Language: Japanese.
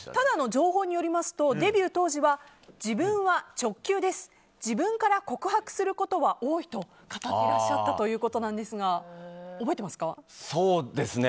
情報によりますとデビュー当時は、自分は直球です自分から告白することは多いと語っていらっしゃったということなんですがそうですね。